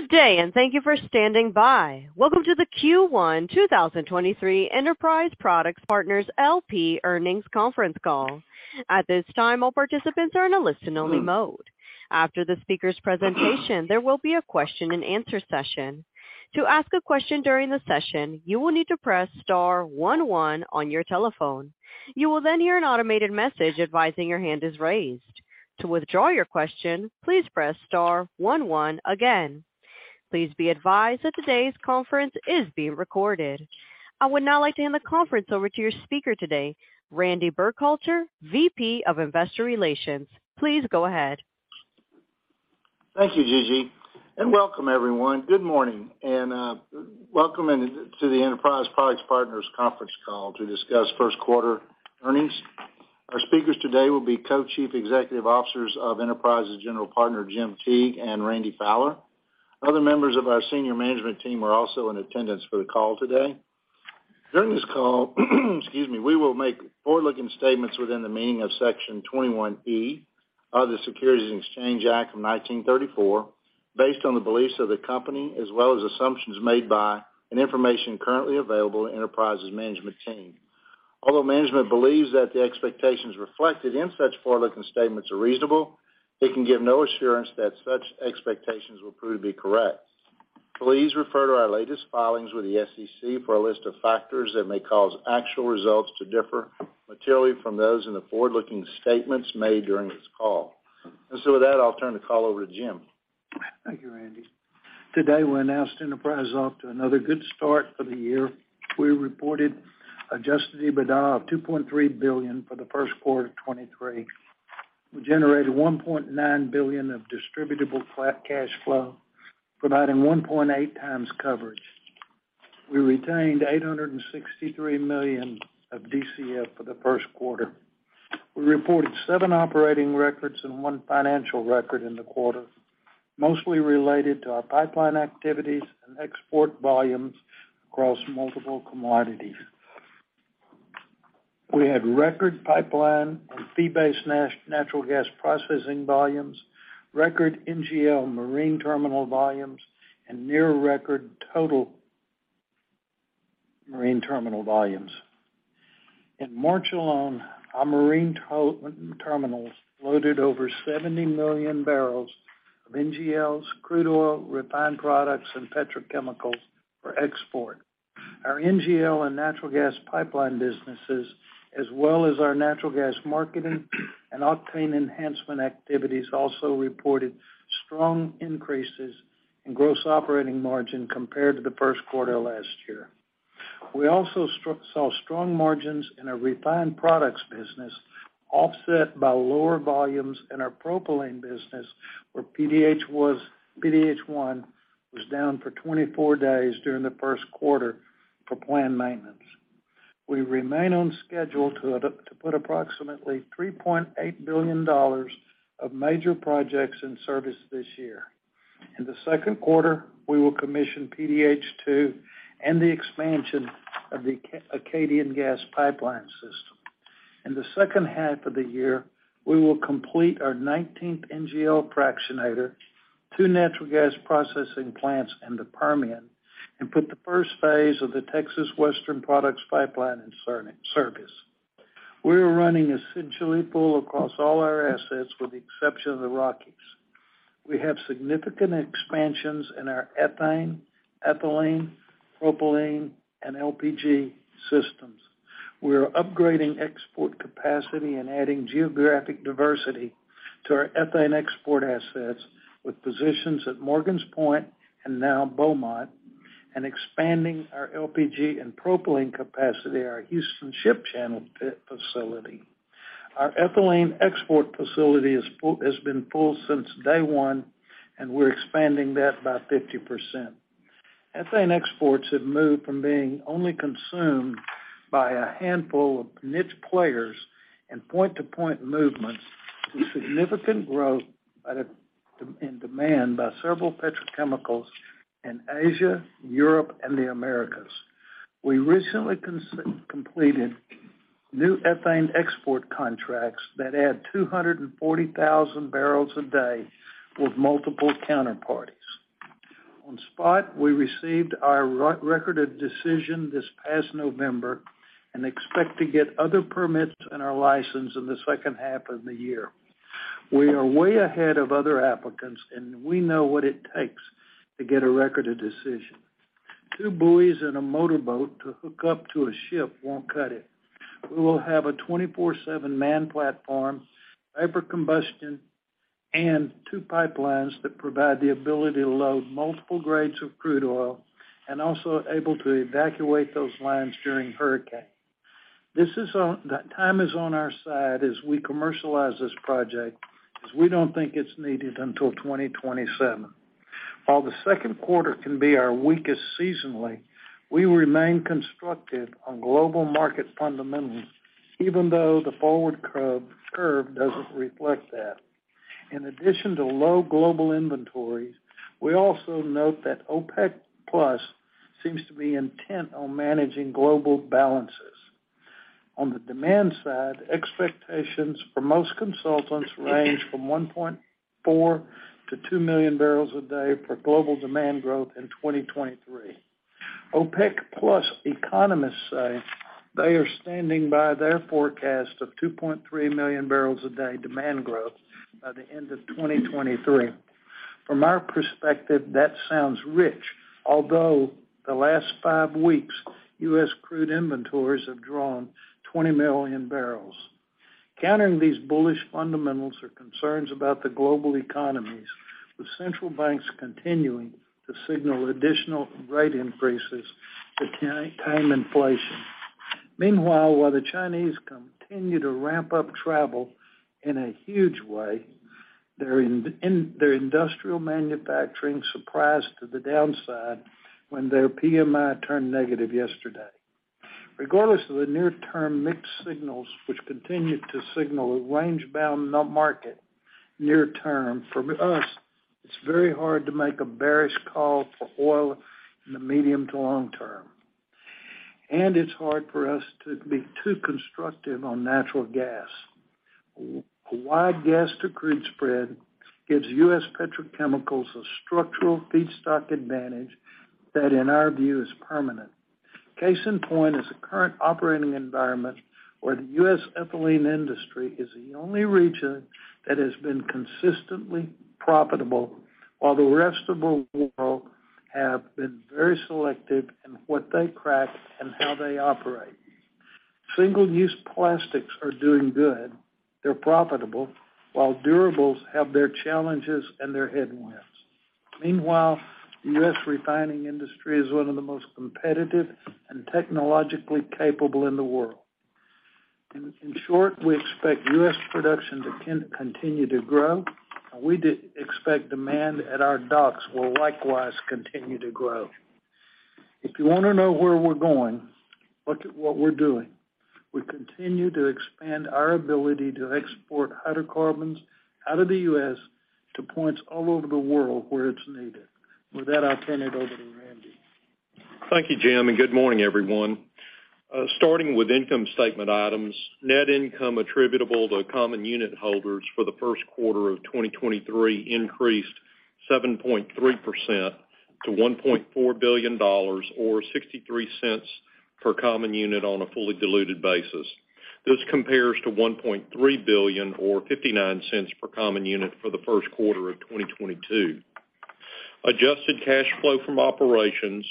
Good day, thank you for standing by. Welcome to the Q1 2023 Enterprise Products Partners L.P. Earnings Conference Call. At this time, all participants are in a listen only mode. After the speaker's presentation, there will be a question and answer session. To ask a question during the session, you will need to press star one one on your telephone. You will hear an automated message advising your hand is raised. To withdraw your question, please press star one one again. Please be advised that today's conference is being recorded. I would now like to hand the conference over to your speaker today, Randy Burkhalter, VP of Investor Relations. Please go ahead. Thank you, Gigi, and welcome everyone. Good morning and welcome to the Enterprise Products Partners conference call to discuss first quarter earnings. Our speakers today will be Co-Chief Executive Officers of Enterprise's General Partner, Jim Teague and Randy Fowler. Other members of our senior management team are also in attendance for the call today. During this call, excuse me, we will make forward-looking statements within the meaning of Section 21E of the Securities Exchange Act of 1934, based on the beliefs of the company as well as assumptions made by an information currently available to Enterprise's management team. Although management believes that the expectations reflected in such forward-looking statements are reasonable, it can give no assurance that such expectations will prove to be correct. Please refer to our latest filings with the SEC for a list of factors that may cause actual results to differ materially from those in the forward-looking statements made during this call. With that, I'll turn the call over to Jim. Thank you, Randy. Today, we announced Enterprise off to another good start for the year. We reported Adjusted EBITDA of $2.3 billion for the first quarter of 2023. We generated $1.9 billion of distributable flat cash flow, providing 1.8 times coverage. We retained $863 million of DCF for the first quarter. We reported seven operating records and one financial record in the quarter, mostly related to our pipeline activities and export volumes across multiple commodities. We had record pipeline and fee-based natural gas processing volumes, record NGL marine terminal volumes, and near record total marine terminal volumes. In March alone, our marine terminals loaded over 70 million barrels of NGLs, crude oil, refined products, and petrochemicals for export. Our NGL and natural gas pipeline businesses, as well as our natural gas marketing and octane enhancement activities, also reported strong increases in gross operating margin compared to the first quarter last year. We also saw strong margins in our refined products business, offset by lower volumes in our propylene business, where PDH one was down for 24 days during the first quarter for planned maintenance. We remain on schedule to put approximately $3.8 billion of major projects in service this year. In the second quarter, we will commission PDH 2 and the expansion of the Acadian Gas Pipeline System. In the second half of the year, we will complete our nineteenth NGL fractionator, two natural gas processing plants in the Permian, and put the first phase of the Texas Western Products Pipeline in service. We are running essentially full across all our assets with the exception of the Rockies. We have significant expansions in our ethane, ethylene, propylene, and LPG systems. We are upgrading export capacity and adding geographic diversity to our ethane export assets with positions at Morgan's Point and now Beaumont, and expanding our LPG and propylene capacity at our Houston Ship Channel facility. Our ethylene export facility has been full since day one, and we're expanding that by 50%. Ethane exports have moved from being only consumed by a handful of niche players in point-to-point movements to significant growth in demand by several petrochemicals in Asia, Europe, and the Americas. We recently completed new ethane export contracts that add 240,000 barrels a day with multiple counterparties. On SPOT, we received our Record of Decision this past November and expect to get other permits and our license in the second half of the year. We are way ahead of other applicants, and we know what it takes to get a Record of Decision. two buoys and a motorboat to hook up to a ship won't cut it. We will have a 24/7 man platform, hyper combustion and two pipelines that provide the ability to load multiple grades of crude oil and also able to evacuate those lines during hurricane. Time is on our side as we commercialize this project, because we don't think it's needed until 2027. While the second quarter can be our weakest seasonally, we remain constructive on global market fundamentals, even though the forward curve doesn't reflect that. In addition to low global inventories, we also note that OPEC+ seems to be intent on managing global balances. On the demand side, expectations for most consultants range from 1.4 million to 2 million barrels a day for global demand growth in 2023. OPEC+ economists say they are standing by their forecast of 2.3 million barrels a day demand growth by the end of 2023. From our perspective, that sounds rich. Although the last five weeks, U.S. crude inventories have drawn 20 million barrels. Countering these bullish fundamentals are concerns about the global economies, with central banks continuing to signal additional rate increases to tame inflation. Meanwhile, while the Chinese continue to ramp up travel in a huge way, their industrial manufacturing surprised to the downside when their PMI turned negative yesterday. Regardless of the near-term mixed signals, which continue to signal a range-bound market near term, for us, it's very hard to make a bearish call for oil in the medium to long term. It's hard for us to be too constructive on natural gas. A wide gas to crude spread gives U.S. petrochemicals a structural feedstock advantage that, in our view, is permanent. Case in point is the current operating environment where the U.S. ethylene industry is the only region that has been consistently profitable, while the rest of the world have been very selective in what they crack and how they operate. Single-use plastics are doing good. They're profitable, while durables have their challenges and their headwinds. Meanwhile, the U.S. refining industry is one of the most competitive and technologically capable in the world. In short, we expect U.S. production to continue to grow, and we expect demand at our docks will likewise continue to grow. If you want to know where we're going, look at what we're doing. We continue to expand our ability to export hydrocarbons out of the U.S. to points all over the world where it's needed. With that, I'll turn it over to Randy. Thank you, Jim. Good morning, everyone. Starting with income statement items, net income attributable to common unit holders for the first quarter of 2023 increased 7.3% to $1.4 billion or $0.63 per common unit on a fully diluted basis. This compares to $1.3 billion or $0.59 per common unit for the first quarter of 2022. Adjusted cash flow from operations,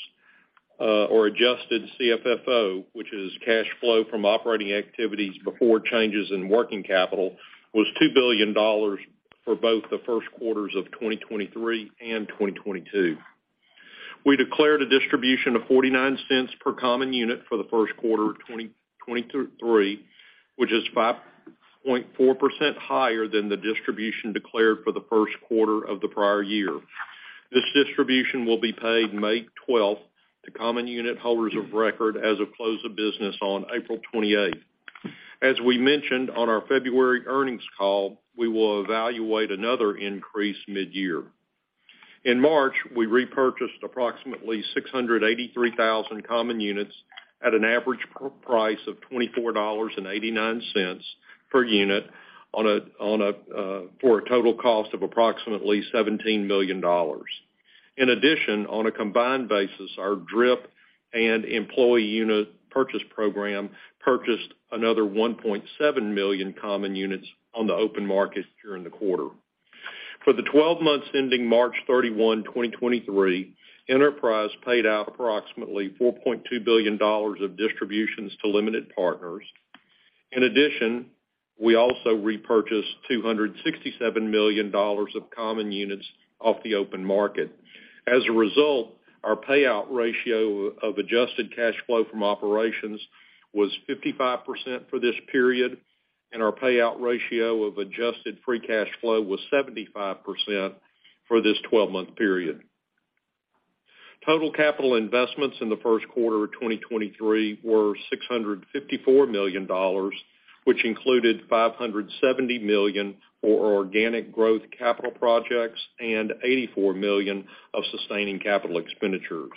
or adjusted CFFO, which is cash flow from operating activities before changes in working capital, was $2 billion for both the first quarters of 2023 and 2022. We declared a distribution of $0.49 per common unit for the first quarter of 2023, which is 5.4% higher than the distribution declared for the first quarter of the prior year. This distribution will be paid May 12th to common unit holders of record as of close of business on April 28th. As we mentioned on our February earnings call, we will evaluate another increase mid-year. In March, we repurchased approximately 683,000 common units at an average price of $24.89 per unit for a total cost of approximately $17 million. On a combined basis, our DRIP and employee unit purchase program purchased another 1.7 million common units on the open market during the quarter. For the 12 months ending March 31, 2023, Enterprise paid out approximately $4.2 billion of distributions to limited partners. We also repurchased $267 million of common units off the open market. As a result, our payout ratio of adjusted cash flow from operations was 55% for this period, and our payout ratio of adjusted free cash flow was 75% for this 12-month period. Total capital investments in the first quarter of 2023 were $654 million, which included $570 million for organic growth capital projects and $84 million of sustaining capital expenditures.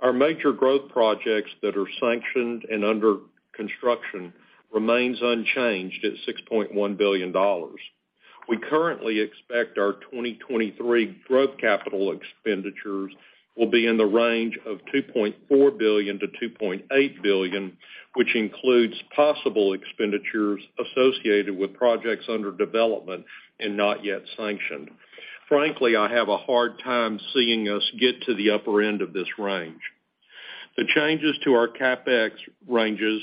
Our major growth projects that are sanctioned and under construction remains unchanged at $6.1 billion. We currently expect our 2023 growth capital expenditures will be in the range of $2.4 billion-$2.8 billion, which includes possible expenditures associated with projects under development and not yet sanctioned. Frankly, I have a hard time seeing us get to the upper end of this range. The changes to our CapEx ranges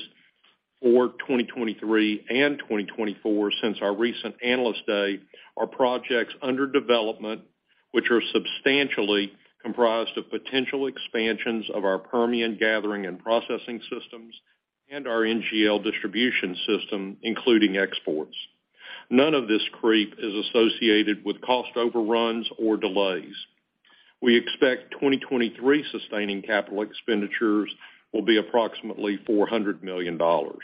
for 2023 and 2024 since our recent Analyst Day are projects under development, which are substantially comprised of potential expansions of our Permian gathering and processing systems and our NGL distribution system, including exports. None of this creep is associated with cost overruns or delays. We expect 2023 sustaining capital expenditures will be approximately $400 million. Our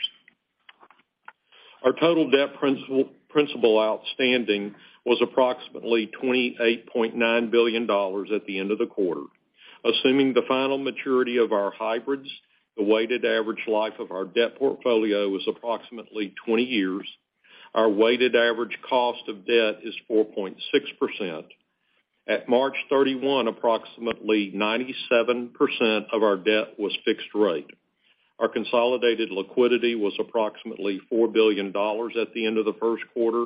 total debt principal outstanding was approximately $28.9 billion at the end of the quarter. Assuming the final maturity of our hybrids, the weighted average life of our debt portfolio was approximately 20 years. Our weighted average cost of debt is 4.6%. At March 31, approximately 97% of our debt was fixed rate. Our consolidated liquidity was approximately $4 billion at the end of the first quarter,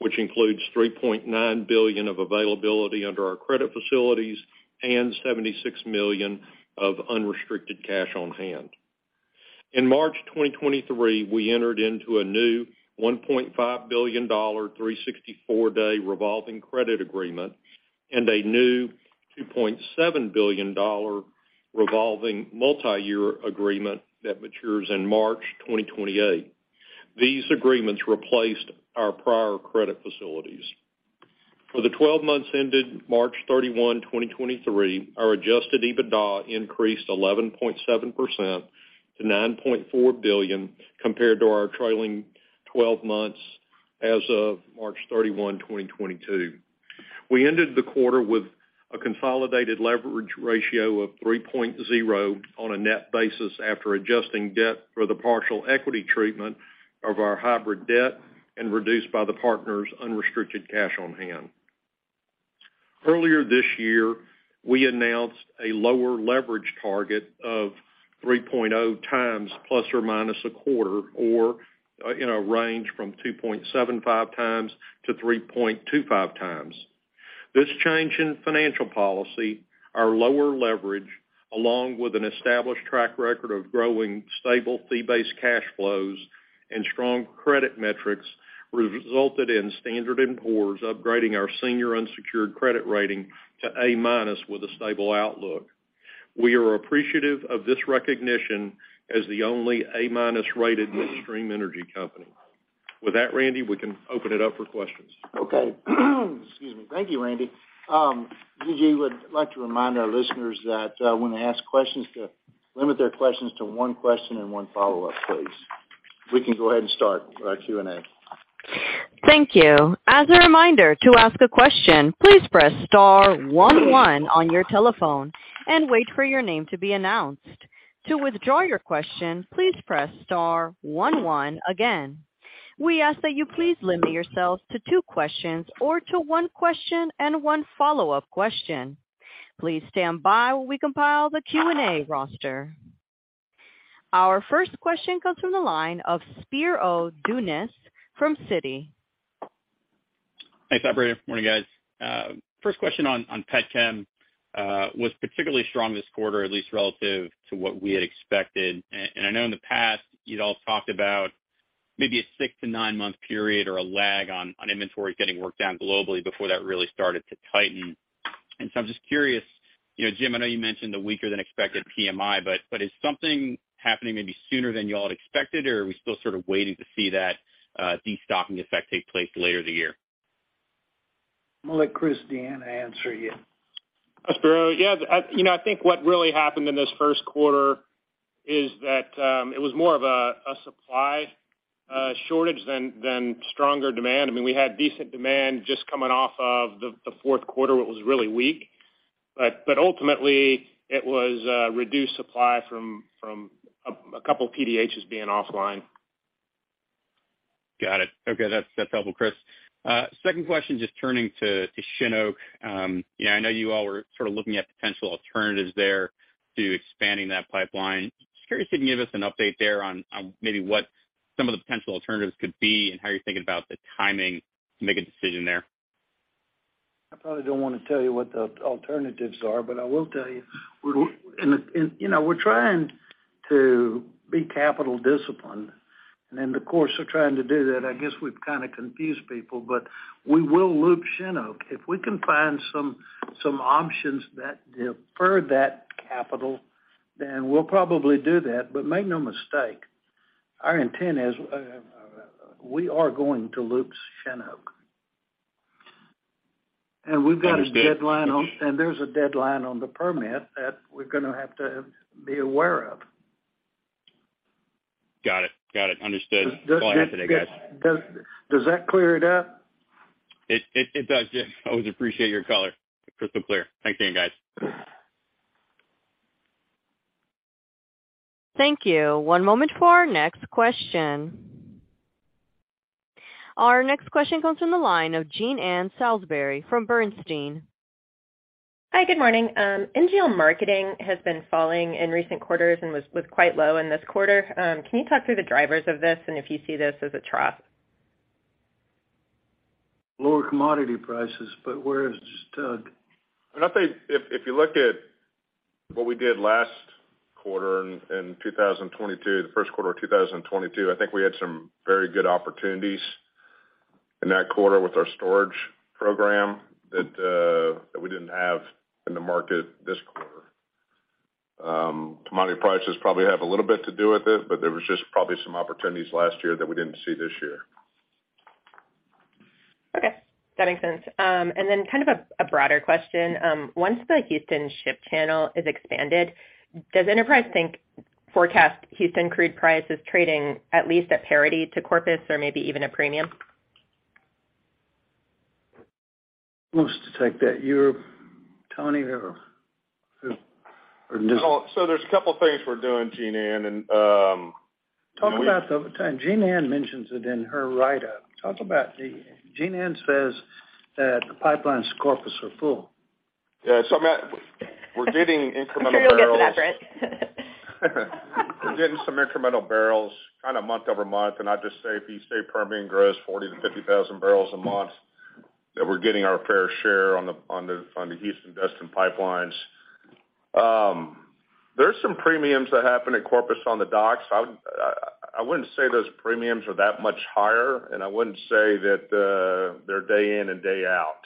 which includes $3.9 billion of availability under our credit facilities and $76 million of unrestricted cash on hand. In March 2023, we entered into a new $1.5 billion 364-day revolving credit agreement and a new $2.7 billion revolving multiyear agreement that matures in March 2028. These agreements replaced our prior credit facilities. For the 12 months ended March 31, 2023, our Adjusted EBITDA increased 11.7% to $9.4 billion compared to our trailing 12 months as of March 31, 2022. We ended the quarter with a consolidated leverage ratio of 3.0 on a net basis after adjusting debt for the partial equity treatment of our hybrid debt and reduced by the partner's unrestricted cash on hand. Earlier this year, we announced a lower leverage target of 3.0 times ±0.25, or in a range from 2.75 times-3.25 times. This change in financial policy are lower leverage, along with an established track record of growing stable fee-based cash flows and strong credit metrics resulted in Standard & Poor's upgrading our senior unsecured credit rating to A- with a stable outlook. We are appreciative of this recognition as the only A- rated midstream energy company. With that, Randy, we can open it up for questions. Okay. Excuse me. Thank you, Randy. Gigi would like to remind our listeners that when they ask questions, to limit their questions to one question and one follow-up, please. We can go ahead and start our Q&A. Thank you. As a reminder, to ask a question, please press star one one on your telephone and wait for your name to be announced. To withdraw your question, please press star one one again. We ask that you please limit yourselves to two questions or to one question and one follow-up question. Please stand by while we compile the Q&A roster. Our first question comes from the line of Spiro Dounis from Citi. Thanks, operator. Morning, guys. First question on pet chem was particularly strong this quarter, at least relative to what we had expected. I know in the past you'd all talked about maybe a six to nine month period or a lag on inventory getting worked down globally before that really started to tighten. I'm just curious, you know, Jim, I know you mentioned the weaker than expected PMI, but is something happening maybe sooner than you all had expected, or are we still sort of waiting to see that destocking effect take place later the year? I'm gonna let Chris D'Anna answer you. Yeah. You know, I think what really happened in this first quarter is that it was more of a supply shortage than stronger demand. I mean, we had decent demand just coming off of the fourth quarter. It was really weak. Ultimately it was reduced supply from a couple of PDHs being offline. Got it. Okay. That's helpful, Chris. Second question, just turning to Chinook. You know, I know you all were sort of looking at potential alternatives there to expanding that pipeline. Just curious if you can give us an update there on maybe what some of the potential alternatives could be and how you're thinking about the timing to make a decision there. I probably don't wanna tell you what the alternatives are. I will tell you, and, you know, we're trying to be capital disciplined. In the course of trying to do that, I guess we've kinda confused people, but we will loop Chinook. If we can find some options that defer that capital, then we'll probably do that. Make no mistake, our intent is, we are going to loop Chinook. Understood. There's a deadline on the permit that we're gonna have to be aware of. Got it. Got it. Understood. Does that clear it up? It does, Jim. Always appreciate your color. Crystal clear. Thanks again, guys. Thank you. One moment for our next question. Our next question comes from the line of Jean Ann Salisbury from Sanford C. Bernstein. Hi, good morning. NGL marketing has been falling in recent quarters and was quite low in this quarter. Can you talk through the drivers of this and if you see this as a trough? Lower commodity prices, where is it stuck? I think if you look at what we did last quarter in 2022, the first quarter of 2022, I think we had some very good opportunities in that quarter with our storage program that we didn't have in the market this quarter. Commodity prices probably have a little bit to do with it, but there was just probably some opportunities last year that we didn't see this year. Okay, that makes sense. Kind of a broader question. Once the Houston Ship Channel is expanded, does Enterprise forecast Houston crude prices trading at least at parity to Corpus or maybe even a premium? Who wants to take that? You, Tony, or who? there's a couple things we're doing, Jean Ann, and, you know. Talk about Jean Ann mentions it in her write-up. Talk about Jean Ann says that the pipelines to Corpus are full. Yeah. I mean, we're getting incremental barrels. I'm sure you'll get that right. We're getting some incremental barrels kind of month-over-month. I'd just say if the East Daley Permian grows 40,000-50,000 barrels a month, that we're getting our fair share on the Houston Destin pipelines. There's some premiums that happen at Corpus on the docks. I wouldn't say those premiums are that much higher, and I wouldn't say that they're day in and day out.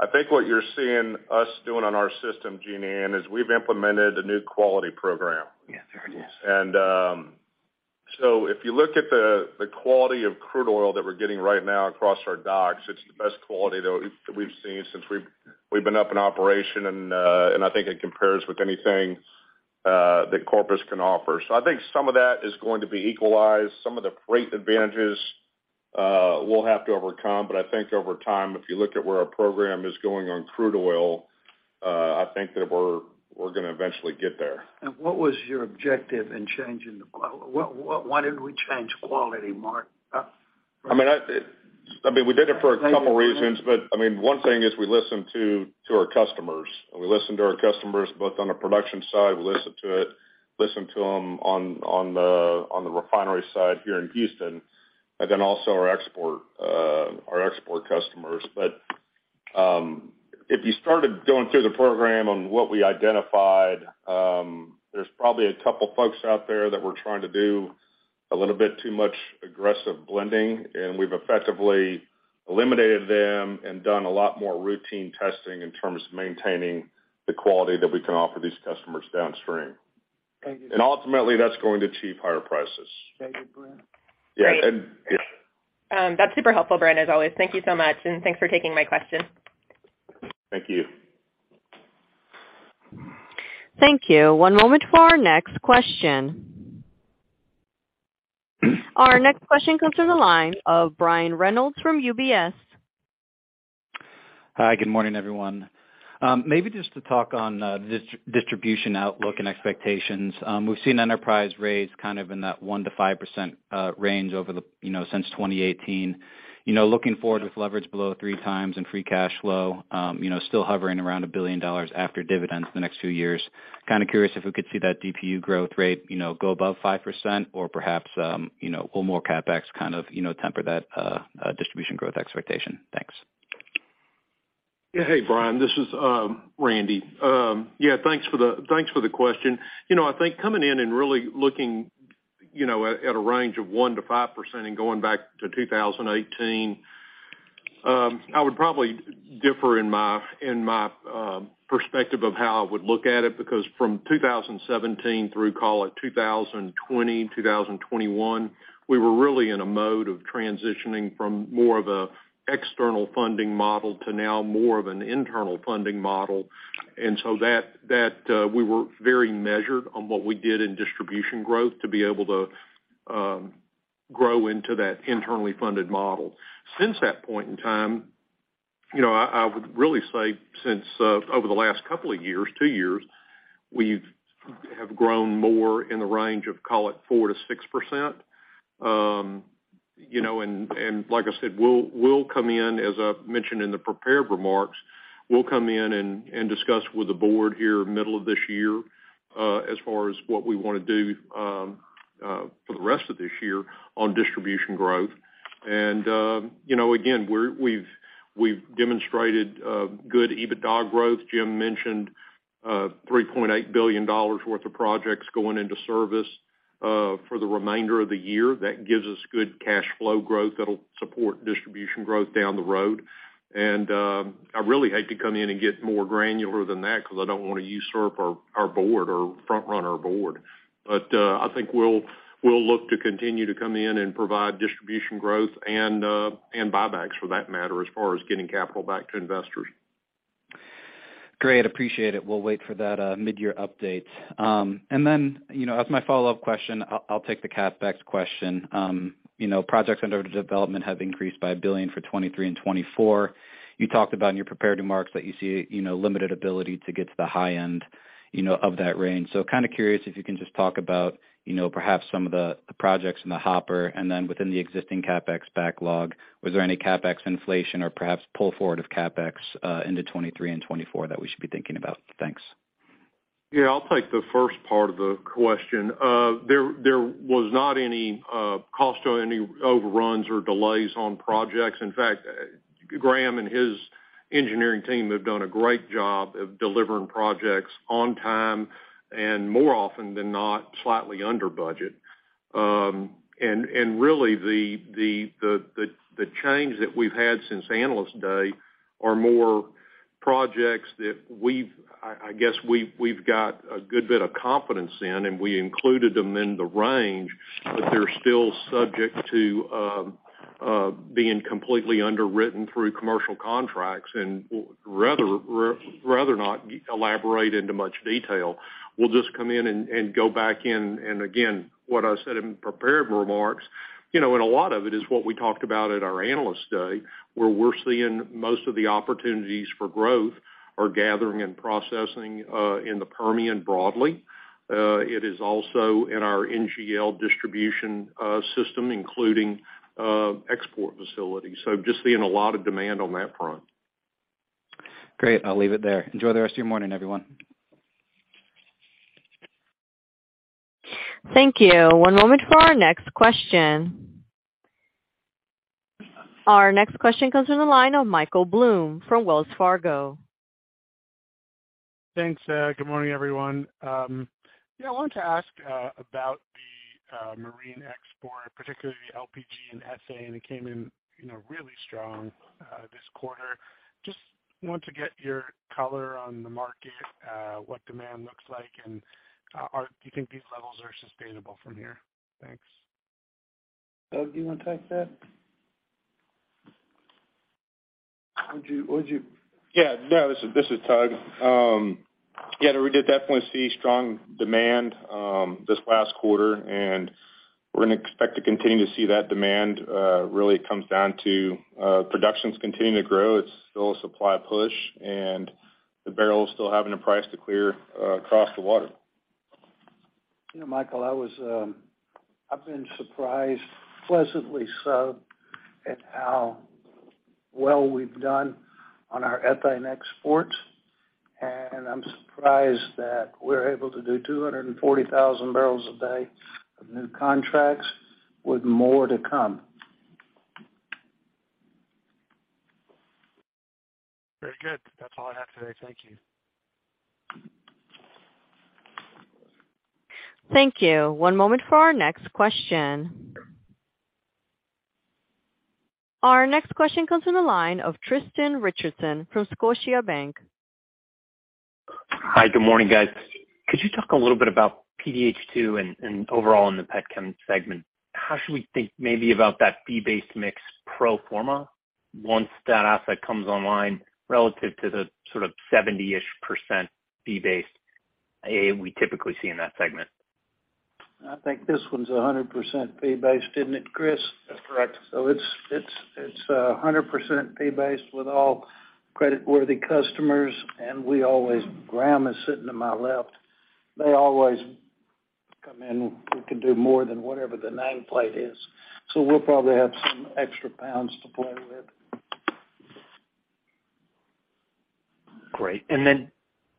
I think what you're seeing us doing on our system, Jean Ann, is we've implemented a new quality program. Yes. There it is. If you look at the quality of crude oil that we're getting right now across our docks, it's the best quality that we've seen since we've been up in operation. I think it compares with anything that Corpus can offer. I think some of that is going to be equalized. Some of the freight advantages, we'll have to overcome. I think over time, if you look at where our program is going on crude oil, I think that we're gonna eventually get there. what was your objective in changing the why did we change quality, Mark? I mean, we did it for a couple reasons, I mean, one thing is we listen to our customers. We listen to our customers both on the production side, we listen to them on the refinery side here in Houston, also our export customers. If you started going through the program on what we identified, there's probably a couple folks out there that were trying to do a little bit too much aggressive blending, and we've effectively eliminated them and done a lot more routine testing in terms of maintaining the quality that we can offer these customers downstream. Thank you. Ultimately, that's going to achieve higher prices. Very good, Brad. Yeah. Great. Yes. That's super helpful, Brad, as always. Thank you so much, and thanks for taking my question. Thank you. Thank you. One moment for our next question. Our next question comes from the line of Brian Reynolds from UBS. Hi. Good morning, everyone. Maybe just to talk on distribution outlook and expectations. We've seen Enterprise raise kind of in that 1%-5% range over the, you know, since 2018. You know, looking forward with leverage below 3x and free cash flow, you know, still hovering around $1 billion after dividends the next two years, kind of curious if we could see that DPU growth rate, you know, go above 5% or perhaps, you know, a little more CapEx kind of, you know, temper that distribution growth expectation. Thanks. Yeah. Hey, Brian. This is Randy. Yeah, thanks for the question. You know, I think coming in and really looking, you know, at a range of 1%-5% and going back to 2018, I would probably differ in my perspective of how I would look at it, because from 2017 through, call it 2020, 2021, we were really in a mode of transitioning from more of an external funding model to now more of an internal funding model. That, we were very measured on what we did in distribution growth to be able to grow into that internally funded model. Since that point in time, you know, I would really say since, over the last couple of years, two years, we've grown more in the range of, call it, 4%-6%. You know, and like I said, we'll come in, as I mentioned in the prepared remarks, we'll come in and discuss with the board here middle of this year, as far as what we wanna do, for the rest of this year on distribution growth. You know, again, we're, we've demonstrated good EBITDA growth. Jim mentioned $3.8 billion worth of projects going into service for the remainder of the year. That gives us good cash flow growth that'll support distribution growth down the road. I really hate to come in and get more granular than that because I don't want to usurp our board or front run our board. I think we'll look to continue to come in and provide distribution growth and buybacks for that matter, as far as getting capital back to investors. Great. Appreciate it. We'll wait for that mid-year update. Then, you know, as my follow-up question, I'll take the CapEx question. You know, projects under development have increased by $1 billion for 2023 and 2024. You talked about in your prepared remarks that you see, you know, limited ability to get to the high end, you know, of that range. So kind of curious if you can just talk about, you know, perhaps some of the projects in the hopper and then within the existing CapEx backlog, was there any CapEx inflation or perhaps pull forward of CapEx into 2023 and 2024 that we should be thinking about? Thanks. Yeah. I'll take the first part of the question. There was not any cost or any overruns or delays on projects. In fact, Graham and his engineering team have done a great job of delivering projects on time and more often than not, slightly under budget. Really the change that we've had since Analyst Day are more projects that we've, I guess we've got a good bit of confidence in, and we included them in the range, but they're still subject to, Being completely underwritten through commercial contracts and rather not elaborate into much detail. We'll just come in and go back in, and again, what I said in prepared remarks, you know, and a lot of it is what we talked about at our Analyst Day, where we're seeing most of the opportunities for growth are gathering and processing in the Permian broadly. It is also in our NGL distribution system, including export facilities. Just seeing a lot of demand on that front. Great. I'll leave it there. Enjoy the rest of your morning, everyone. Thank you. One moment for our next question. Our next question comes from the line of Michael Blum from Wells Fargo. Thanks, good morning, everyone. Yeah, I wanted to ask about the marine export, particularly the LPG and Ethane. It came in, you know, really strong this quarter. Just want to get your color on the market, what demand looks like, and do you think these levels are sustainable from here? Thanks. Doug, do you wanna take that? Would you... Yeah. No, this is Tug. Yeah, we did definitely see strong demand this last quarter, and we're gonna expect to continue to see that demand, really it comes down to production's continuing to grow. It's still a supply push, and the barrel is still having a price to clear across the water. Yeah, Michael, I was, I've been surprised, pleasantly so, at how well we've done on our ethane exports. I'm surprised that we're able to do 240,000 barrels a day of new contracts with more to come. Very good. That's all I have today. Thank you. Thank you. One moment for our next question. Our next question comes from the line of Tristan Richardson from Scotiabank. Hi, good morning, guys. Could you talk a little bit about PDH 2 and overall in the pet chem segment? How should we think maybe about that fee-based mix pro forma once that asset comes online relative to the sort of 70%-ish fee based we typically see in that segment? I think this one's 100% fee based, isn't it, Chris? That's correct. It's 100% fee based with all creditworthy customers. Graham is sitting to my left. They always come in, we can do more than whatever the nameplate is. We'll probably have some extra pounds to play with. Great.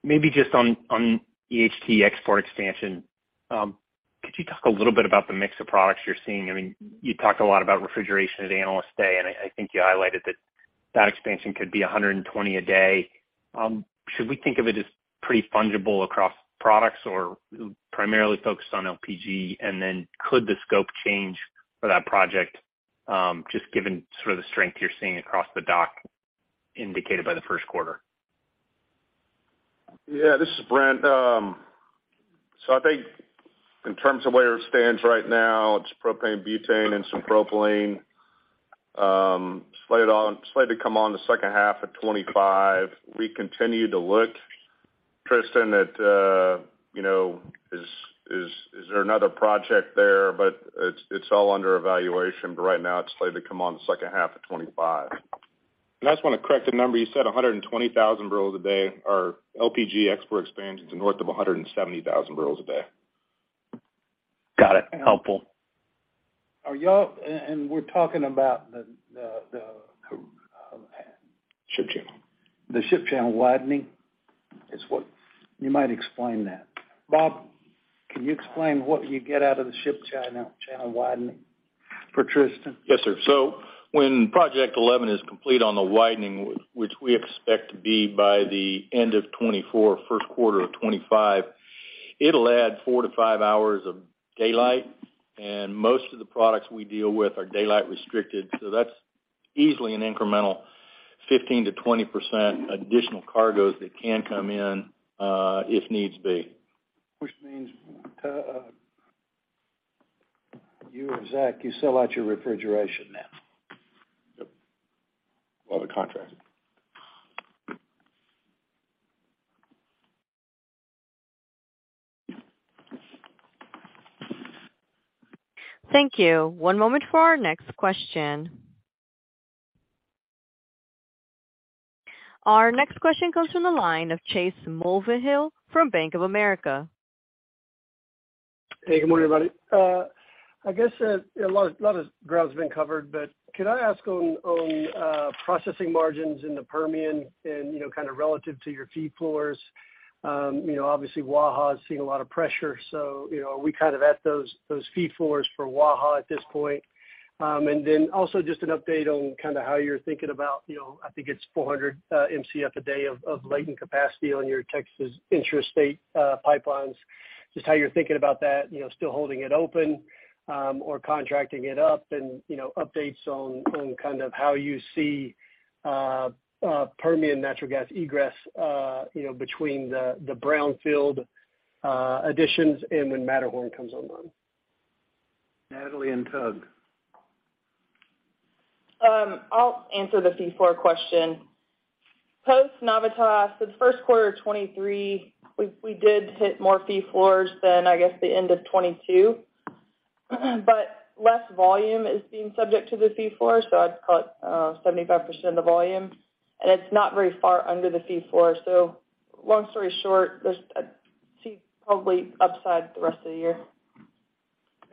Maybe just on EHT export expansion, could you talk a little bit about the mix of products you're seeing? I mean, you talked a lot about refrigeration at Analyst Day, and I think you highlighted that that expansion could be 120 a day. Should we think of it as pretty fungible across products or primarily focused on LPG? Could the scope change for that project, just given sort of the strength you're seeing across the dock indicated by the first quarter? Yeah, this is Brent. I think in terms of where it stands right now, it's propane, butane, and some propylene. Slated to come on the second half of 2025. We continue to look, Tristan, at, you know, is there another project there? It's all under evaluation, but right now it's slated to come on the second half of 2025. I just wanna correct the number. You said 120,000 barrels a day. Our LPG export expansion's north of 170,000 barrels a day. Got it. Helpful. we're talking about the... Ship channel. The Ship Channel widening. You might explain that. Bob, can you explain what you get out of the Ship Channel widening for Tristan? Yes, sir. When project eleven is complete on the widening, which we expect to be by the end of 2024, first quarter of 2025, it'll add four to five hours of daylight, and most of the products we deal with are daylight restricted, so that's easily an incremental 15% to 20% additional cargoes that can come in, if needs be. Which means, you or Zach, you sell out your Refrigeration now. Yep. All the contracts. Thank you. One moment for our next question. Our next question comes from the line of Chase Mulvehill from Bank of America. Hey, good morning, everybody. I guess a lot of ground has been covered, but could I ask on processing margins in the Permian and, you know, kind of relative to your fee floors? You know, obviously, Waha is seeing a lot of pressure, so, you know, are we kind of at those fee floors for Waha at this point? Also just an update on kind of how you're thinking about, you know, I think it's 400 Mcf a day of latent capacity on your Texas intrastate pipelines. Just how you're thinking about that, you know, still holding it open or contracting it up. Updates on kind of how you see Permian natural gas egress, you know, between the brownfield additions and when Matterhorn comes online. Natalie and Tug. I'll answer the fee floor question. Post Navitas, the first quarter of 2023, we did hit more fee floors than, I guess, the end of 2022. Less volume is being subject to the fee floor, so I'd call it 75% of the volume. It's not very far under the fee floor. Long story short, there's probably upside the rest of the year.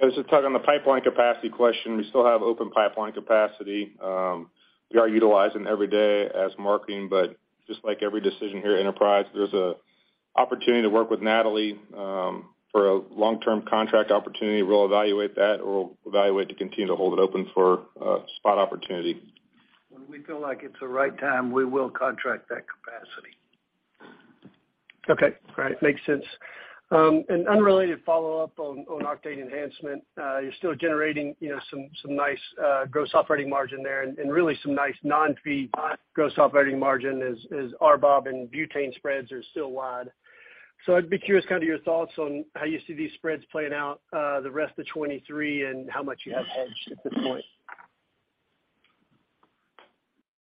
This is Tug. On the pipeline capacity question, we still have open pipeline capacity. We are utilizing every day as marketing. Just like every decision here at Enterprise, there's a opportunity to work with Natalie, for a long-term contract opportunity. We'll evaluate that or evaluate to continue to hold it open for, spot opportunity. When we feel like it's the right time, we will contract that capacity. Okay, great. Makes sense. an unrelated follow-up on octane enhancement. you're still generating, you know, some nice, gross operating margin there and really some nice non-fee gross operating margin as RBOB and butane spreads are still wide. I'd be curious kind of your thoughts on how you see these spreads playing out, the rest of 2023 and how much you have hedged at this point.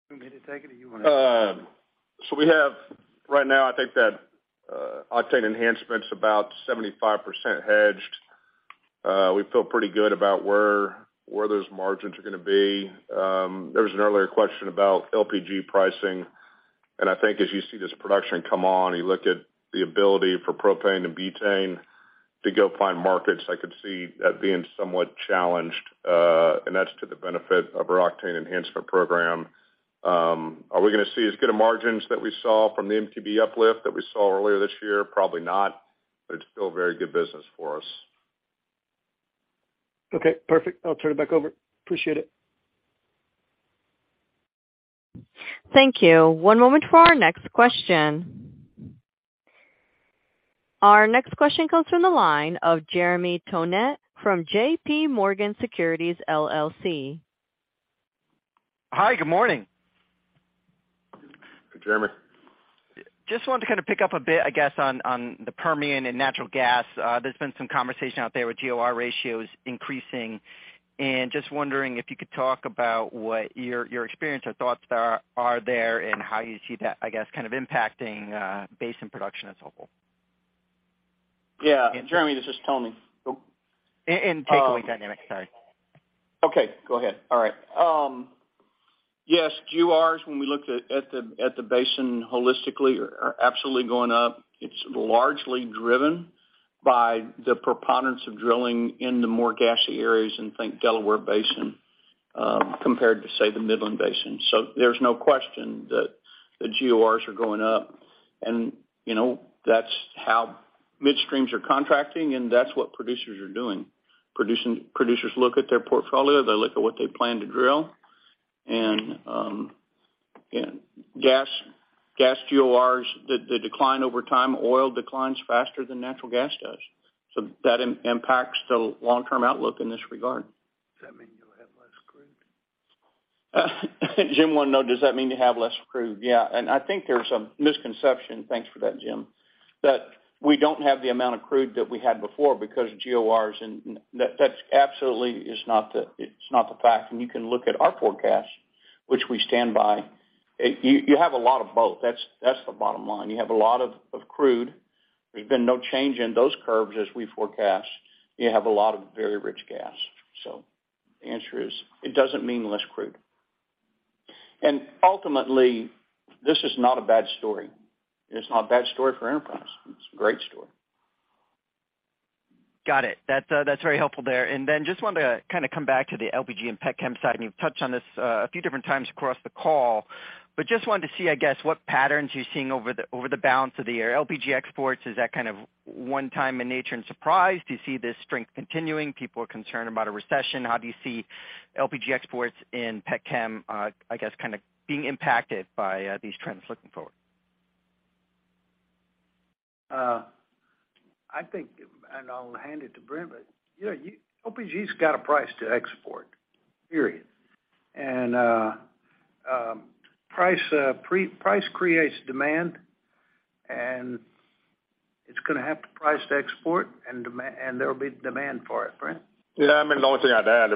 You want me to take it or you wanna... We have, right now, I think that octane enhancement's about 75% hedged. We feel pretty good about where those margins are gonna be. There was an earlier question about LPG pricing. I think as you see this production come on, you look at the ability for propane and butane to go find markets, I could see that being somewhat challenged, and that's to the benefit of our octane enhancement program. Are we gonna see as good a margins that we saw from the MTBE uplift that we saw earlier this year? Probably not. It's still very good business for us. Okay, perfect. I'll turn it back over. Appreciate it. Thank you. One moment for our next question. Our next question comes from the line of Jeremy Tonet from J.P. Morgan Securities LLC. Hi, good morning. Jeremy. Just wanted to kind of pick up a bit, I guess, on the Permian and natural gas. There's been some conversation out there with GOR ratios increasing, and just wondering if you could talk about what your experience or thoughts are there and how you see that, I guess, kind of impacting basin production as a whole. Yeah. Jeremy, this is Tony. Takeaway dynamics, sorry. Okay, go ahead. All right. Yes, GORs, when we look at the basin holistically are absolutely going up. It's largely driven by the preponderance of drilling in the more gassy areas in, think, Delaware Basin, compared to, say, the Midland Basin. There's no question that the GORs are going up. You know, that's how midstreams are contracting, and that's what producers are doing. Producers look at their portfolio, they look at what they plan to drill, and gas GORs, the decline over time, oil declines faster than natural gas does. That impacts the long-term outlook in this regard. Does that mean you'll have less crude? Jim wanted to know, does that mean you have less crude? Yeah, I think there's a misconception, thanks for that, Jim, that we don't have the amount of crude that we had before because of GORs and that's absolutely it's not the fact. You can look at our forecast, which we stand by. You have a lot of both. That's the bottom line. You have a lot of crude. There's been no change in those curves as we forecast. You have a lot of very rich gas. The answer is it doesn't mean less crude. Ultimately, this is not a bad story. It's not a bad story for Enterprise. It's a great story. Got it. That's very helpful there. Then just wanted to kind of come back to the LPG and pet chem side, and you've touched on this a few different times across the call. Just wanted to see, I guess, what patterns you're seeing over the balance of the year. LPG exports, is that kind of one time in nature and surprise? Do you see this strength continuing? People are concerned about a recession. How do you see LPG exports in pet chem, I guess, kind of being impacted by these trends looking forward? I think, and I'll hand it to Brent, but, you know, LPG's got a price to export, period. price creates demand, and it's gonna have the price to export and there will be demand for it. Brent? Yeah, I mean, the only thing I'd add,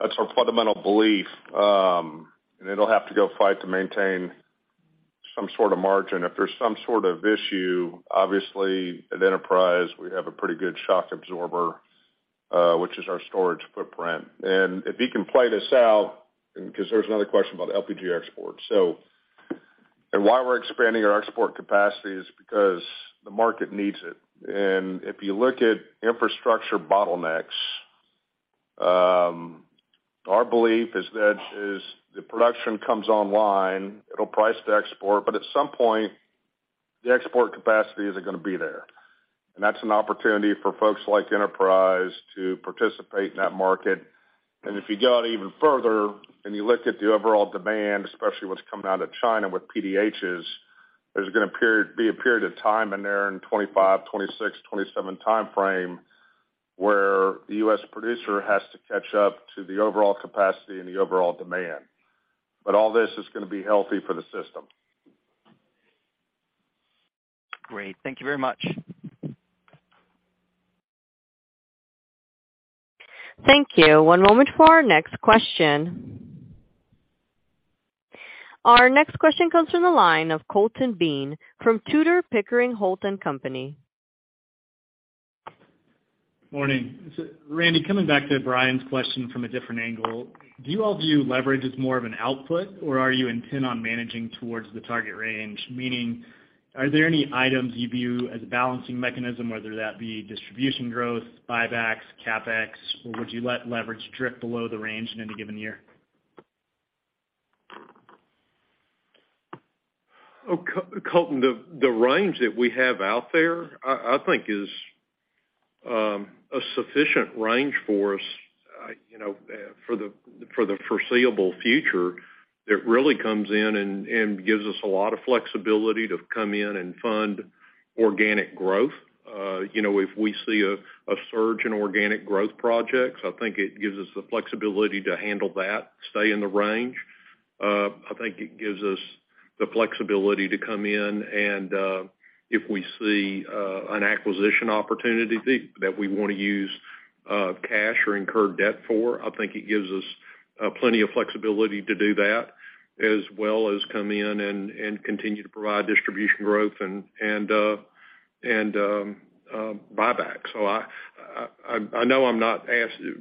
that's our fundamental belief, it'll have to go fight to maintain some sort of margin. If there's some sort of issue, obviously at Enterprise, we have a pretty good shock absorber, which is our storage footprint. If you can play this out, 'cause there's another question about LPG export. Why we're expanding our export capacity is because the market needs it. If you look at infrastructure bottlenecks, our belief is that as the production comes online, it'll price to export, but at some point, the export capacity isn't gonna be there. That's an opportunity for folks like Enterprise to participate in that market. If you go out even further and you look at the overall demand, especially what's coming out of China with PDHs, there's gonna be a period of time in there in 2025, 2026, 2027 timeframe, where the U.S. producer has to catch up to the overall capacity and the overall demand. All this is gonna be healthy for the system. Great. Thank you very much. Thank you. One moment for our next question. Our next question comes from the line of Colton Bean from Tudor, Pickering, Holt & Co. Morning. Randy, coming back to Brian's question from a different angle, do you all view leverage as more of an output, or are you intent on managing towards the target range? Meaning, are there any items you view as a balancing mechanism, whether that be distribution growth, buybacks, CapEx, or would you let leverage drift below the range in any given year? Colton, the range that we have out there, I think is a sufficient range for us, you know, for the foreseeable future that really comes in and gives us a lot of flexibility to come in and fund organic growth. You know, if we see a surge in organic growth projects, I think it gives us the flexibility to handle that, stay in the range. I think it gives us the flexibility to come in and if we see an acquisition opportunity that we wanna use cash or incur debt for, I think it gives us plenty of flexibility to do that, as well as come in and continue to provide distribution growth and buyback. I know I'm not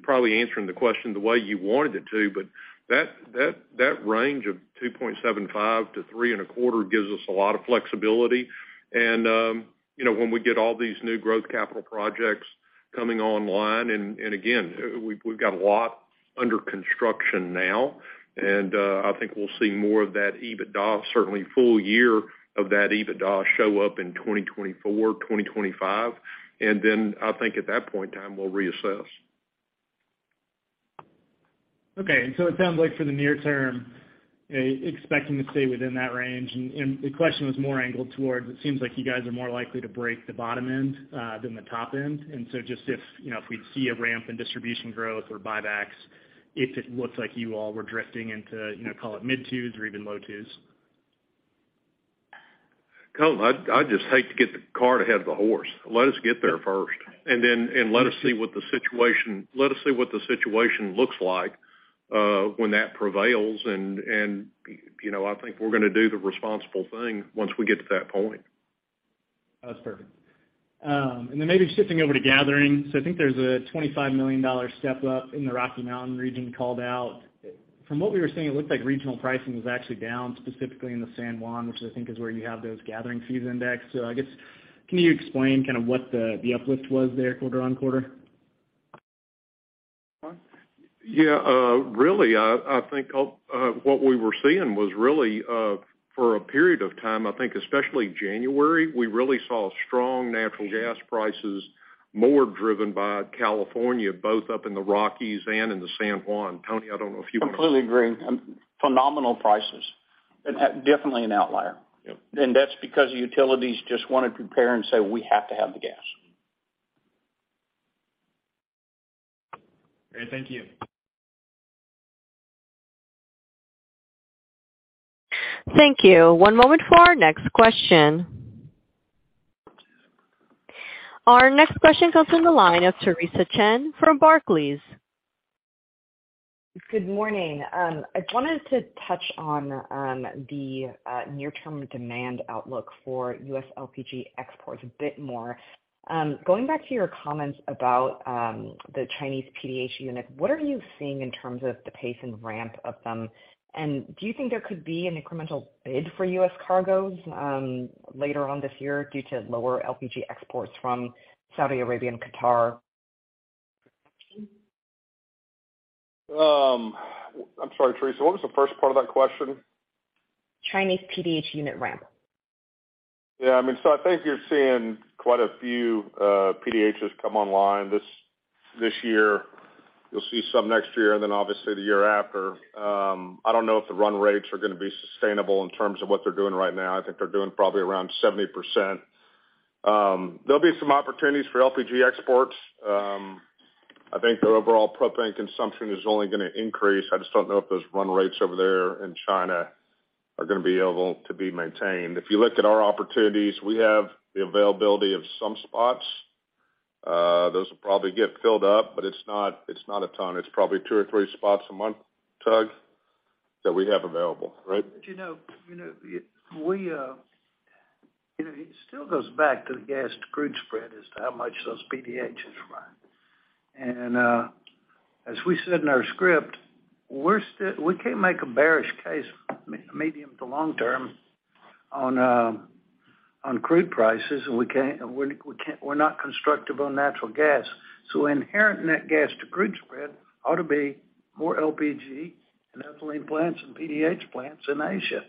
probably answering the question the way you wanted it to, but that range of $2.75 billion-$3.25 billion gives us a lot of flexibility. you know, when we get all these new growth capital projects coming online, and again, we've got a lot under construction now. I think we'll see more of that EBITDA, certainly a full year of that EBITDA show up in 2024, 2025. I think at that point in time, we'll reassess. Okay. It sounds like for the near term, expecting to stay within that range. The question was more angled towards, it seems like you guys are more likely to break the bottom end than the top end. Just if, you know, if we'd see a ramp in distribution growth or buybacks, if it looks like you all were drifting into, you know, call it mid twos or even low twos. Colton, I'd just hate to get the cart ahead of the horse. Let us get there first, and then, let us see what the situation looks like, when that prevails and, you know, I think we're gonna do the responsible thing once we get to that point. That's perfect. Maybe shifting over to gathering. I think there's a $25 million step-up in the Rocky Mountain region called out. From what we were seeing, it looked like regional pricing was actually down, specifically in the San Juan, which I think is where you have those gathering fees index. I guess, can you explain kind of what the uplift was there quarter-on-quarter? Tony? Yeah, really, I think, what we were seeing was really, for a period of time, I think especially January, we really saw strong natural gas prices more driven by California, both up in the Rockies and in the San Juan. Tony, I don't know if you wanna- Completely agree. Phenomenal prices. Definitely an outlier. Yep. That's because utilities just wanna prepare and say, we have to have the gas. Great. Thank you. Thank you. One moment for our next question. Our next question comes from the line of Theresa Chen from Barclays. Good morning. I wanted to touch on the near-term demand outlook for U.S. LPG exports a bit more. Going back to your comments about the Chinese PDH unit, what are you seeing in terms of the pace and ramp of them? Do you think there could be an incremental bid for U.S. cargoes later on this year due to lower LPG exports from Saudi Arabia and Qatar? I'm sorry, Theresa, what was the first part of that question? Chinese PDH unit ramp. Yeah, I mean, I think you're seeing quite a few PDHs come online this year. You'll see some next year, and then obviously the year after. I don't know if the run rates are gonna be sustainable in terms of what they're doing right now. I think they're doing probably around 70%. There'll be some opportunities for LPG exports. I think the overall propane consumption is only gonna increase. I just don't know if those run rates over there in China are gonna be able to be maintained. If you look at our opportunities, we have the availability of some spots. Those will probably get filled up, but it's not, it's not a ton. It's probably 2 or 3 spots a month, Tug, that we have available, right? You know, you know, it still goes back to the gas to crude spread as to how much those PDHs run. As we said in our script, we can't make a bearish case medium to long term on crude prices, and we can't, we're not constructive on natural gas. Inherent net gas to crude spread ought to be more LPG and ethylene plants and PDH plants in Asia.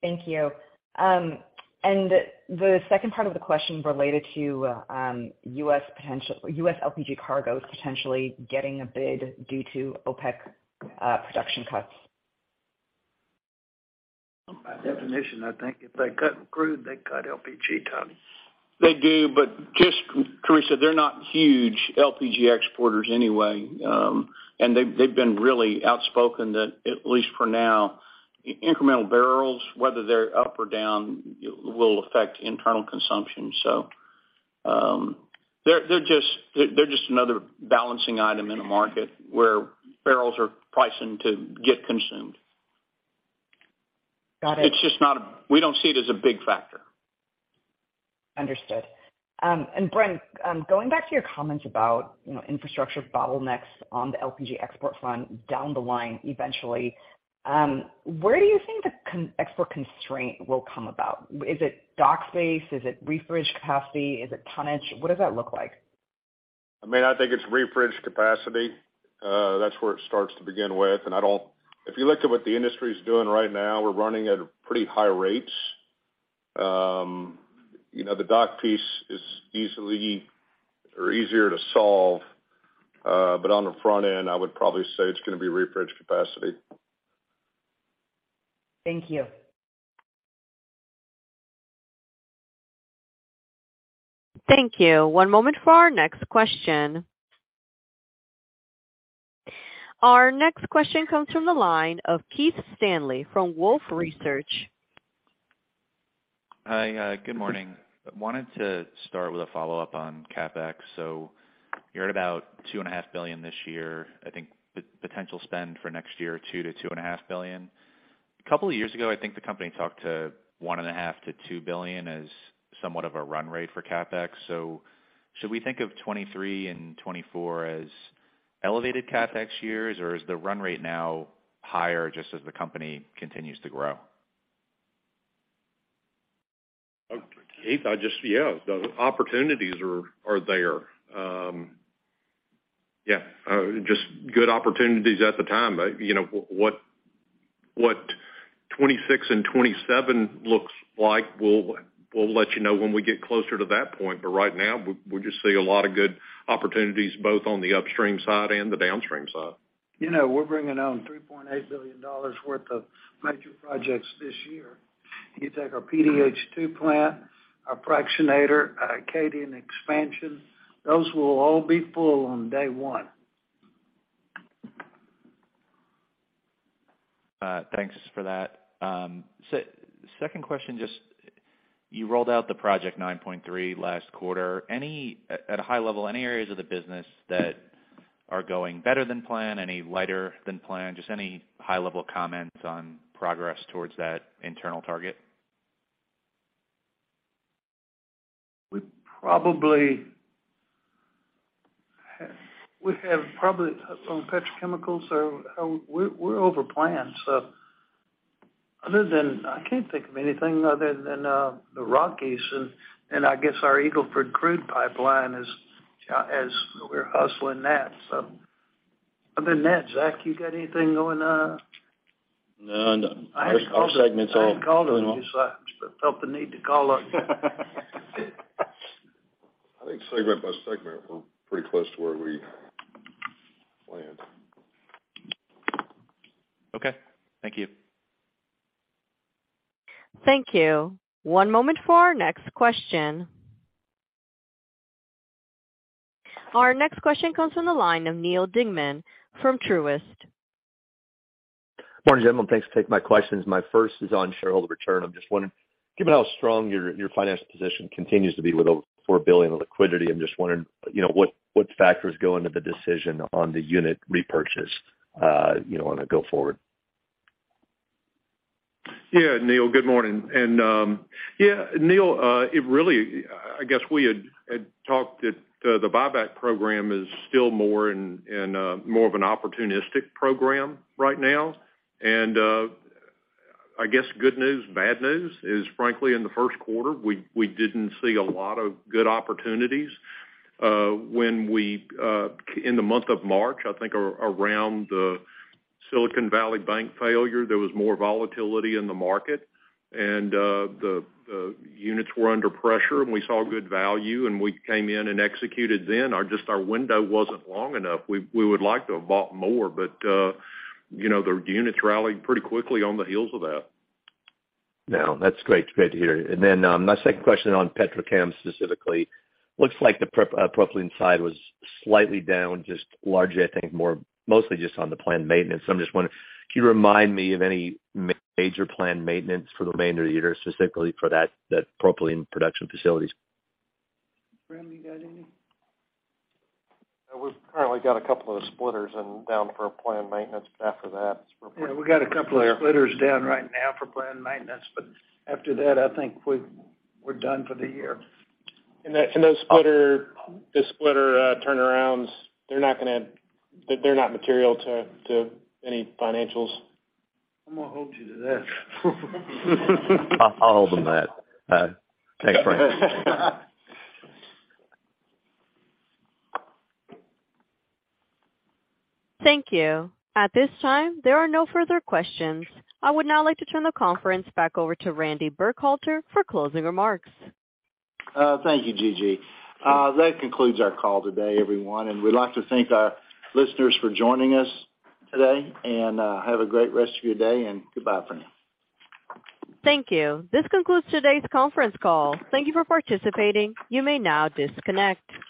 Thank you. The second part of the question related to U.S. LPG cargoes potentially getting a bid due to OPEC production cuts. By definition, I think if they cut crude, they cut LPG, Tony. They do, but just, Theresa, they're not huge LPG exporters anyway. They've been really outspoken that at least for now, incremental barrels, whether they're up or down, will affect internal consumption. They're just another balancing item in the market where barrels are pricing to get consumed. Got it. We don't see it as a big factor. Understood. Brent, going back to your comments about, you know, infrastructure bottlenecks on the LPG export front down the line eventually, where do you think the export constraint will come about? Is it dock space? Is it refrigeration capacity? Is it tonnage? What does that look like? I mean, I think it's refrigeration capacity. That's where it starts to begin with. If you look at what the industry is doing right now, we're running at pretty high rates. You know, the dock piece is easily or easier to solve. On the front end, I would probably say it's gonna be refrigeration capacity. Thank you. Thank you. One moment for our next question. Our next question comes from the line of Keith Stanley from Wolfe Research. Hi. Good morning. I wanted to start with a follow-up on CapEx. You're at about $2.5 billion this year. I think the potential spend for next year, $2 billion-$2.5 billion. A couple of years ago, I think the company talked to $1.5 billion-$2 billion as somewhat of a run rate for CapEx. Should we think of 2023 and 2024 as elevated CapEx years, or is the run rate now higher just as the company continues to grow? Keith, yeah, the opportunities are there. yeah, just good opportunities at the time. You know, what 2026 and 2027 looks like, we'll let you know when we get closer to that point. Right now, we just see a lot of good opportunities both on the upstream side and the downstream side. You know, we're bringing on $3.8 billion worth of major projects this year. You take our PDH 2 plant, our fractionator, Acadian expansion, those will all be full on day one. Thanks for that. Second question, just you rolled out the Project 9.3 last quarter. At a high level, any areas of the business that are going better than planned, any lighter than planned? Just any high-level comments on progress towards that internal target? We have probably on petrochemicals, we're over plan. I can't think of anything other than the Rockies and I guess our Eagle Ford crude pipeline as we're hustling that. Other than that, Zach, you got anything going on? No, no. Our segment's. I called him. I felt the need to call on you. I think segment by segment, we're pretty close to where we planned. Okay. Thank you. Thank you. One moment for our next question. Our next question comes from the line of Neal Dingmann from Truist. Morning, gentlemen. Thanks for taking my questions. My first is on shareholder return. I'm just wondering, given how strong your financial position continues to be with over $4 billion in liquidity, I'm just wondering, you know, what factors go into the decision on the unit repurchase, you know, on a go forward? Yeah, Neal, good morning. Yeah, Neal, I guess we had talked to the buyback program is still more in, more of an opportunistic program right now. I guess good news, bad news is frankly, in the first quarter, we didn't see a lot of good opportunities. When we, in the month of March, I think around the Silicon Valley Bank failure, there was more volatility in the market and, the units were under pressure and we saw good value and we came in and executed then. Our window wasn't long enough. We would like to have bought more, but, you know, the units rallied pretty quickly on the heels of that. No, that's great. Great to hear. My second question on Petrochem specifically, looks like the propylene side was slightly down, just largely, I think, mostly just on the planned maintenance. I'm just wondering if you remind me of any major planned maintenance for the remainder of the year, specifically for that propylene production facilities? Brent, you got any? We've currently got a couple of splitters and down for planned maintenance, but after that... We got a couple of splitters down right now for planned maintenance. After that, I think we're done for the year. The splitter turnarounds, they're not material to any financials. I'm gonna hold you to that. I'll hold on that. Thanks, Brent. Thank you. At this time, there are no further questions. I would now like to turn the conference back over to Randy Burkhalter for closing remarks. Thank you, Gigi. That concludes our call today, everyone. We'd like to thank our listeners for joining us today and have a great rest of your day and goodbye for now. Thank you. This concludes today's conference call. Thank you for participating. You may now disconnect.